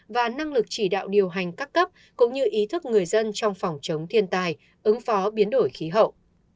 và năng lực chỉ đạo điều hành các cấp cũng như ý thức người dân trong phòng chống thiên tai ứng phó biến đổi khí hậu